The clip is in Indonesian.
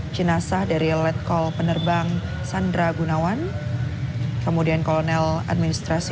jenazah dari letkol penerbang sandra gunawan kemudian kolonel administrasi